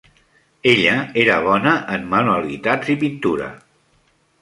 Ella era bona en manualitats i pintura.